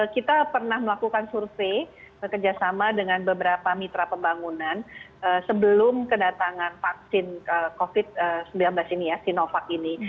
kita pernah melakukan survei bekerjasama dengan beberapa mitra pembangunan sebelum kedatangan vaksin covid sembilan belas ini ya sinovac ini